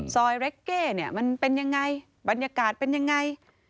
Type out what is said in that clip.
ซอยเร็กเก้มันเป็นอย่างไรบรรยากาศเป็นอย่างไร